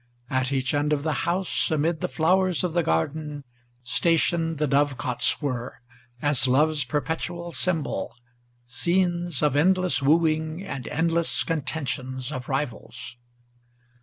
At each end of the house, amid the flowers of the garden, Stationed the dove cots were, as love's perpetual symbol, Scenes of endless wooing, and endless contentions of rivals.